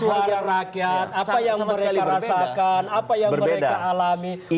suara rakyat apa yang mereka rasakan apa yang mereka alami